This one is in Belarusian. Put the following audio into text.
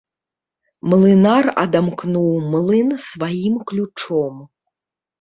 Млынар адамкнуў млын сваім ключом.